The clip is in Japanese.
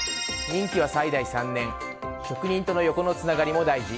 任期は最大３年職人との横のつながりも大事。